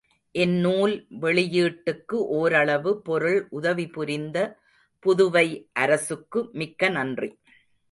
இந்நூல் வெளியீட்டுக்கு ஓரளவு பொருள் உதவிபுரிந்த புதுவை அரசுக்கு மிக்க நன்றி.